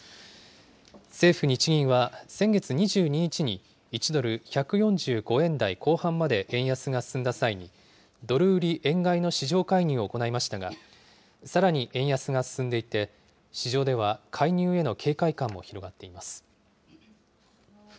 政府・日銀は先月２２日に、１ドル１４５円台後半まで円安が進んだ際に、ドル売り円買いの市場介入を行いましたが、さらに円安が進んでいて、市場では介入への警戒感も広がっています。